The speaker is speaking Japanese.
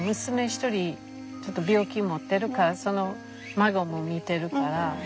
一人病気持ってるからその孫も見てるから。